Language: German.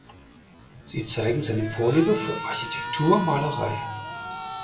Sie zeigen seine Vorliebe für Architekturmalerei.